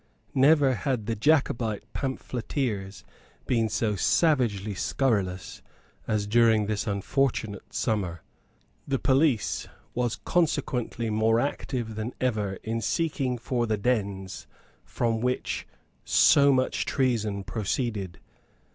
Never had the Jacobite pamphleteers been so savagely scurrilous as during this unfortunate summer. The police was consequently more active than ever in seeking for the dens from which so much treason proceeded.